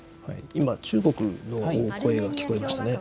今、中国の声が聞こえましたね。